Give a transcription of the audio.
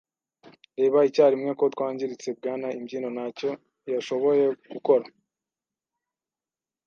reba icyarimwe ko twangiritse. Bwana Imbyino ntacyo yashoboye gukora.